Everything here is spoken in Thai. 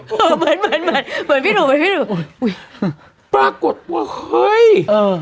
เหมือนเหมือนเหมือนเหมือนพี่หนุ่มเหมือนพี่หนุ่มอุ้ยปรากฏว่าเฮ้ยเออ